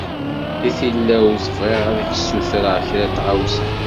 Di tilawt, bɣiɣ ad k-d-ssutreɣ kra tɣawsa.